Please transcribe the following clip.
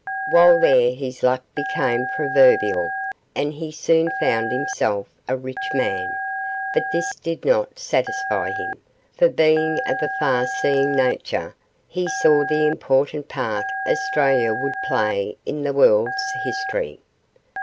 While there his luck became proverbial, and he soon found himself a rich man; but this did not satisfy him, for, being of a far seeing nature, he saw the important part Australia would play in the world's history.